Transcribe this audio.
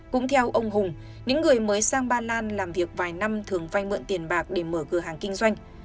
cũng theo ông hùng những người mới sang ba lan làm việc vài năm thường vay mượn tiền bạc để mở cửa hàng kinh doanh